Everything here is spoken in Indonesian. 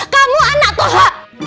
kamu anak toha